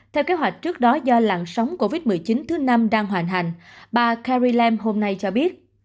theo kế hoạch trước đó do làn sóng covid một mươi chín thứ năm đang hoàn hành bà karilam hôm nay cho biết